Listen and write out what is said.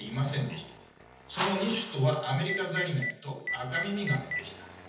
その２種とはアメリカザリガニとアカミミガメでした。